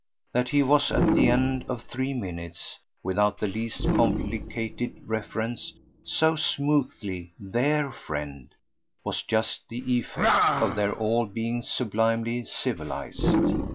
That he was at the end of three minutes, without the least complicated reference, so smoothly "their" friend was just the effect of their all being sublimely civilised.